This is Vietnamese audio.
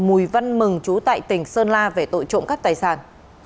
mùi văn mừng chú tại tỉnh sơn la về tội trộm cắt tài sản